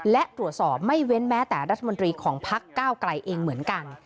และตรวจสอบไม่เว้นแม้แต่รัฐมนตรีของพักก้าวไกลเองเหมือนกัน